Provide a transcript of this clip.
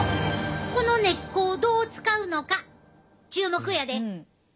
この根っこをどう使うのか注目やで。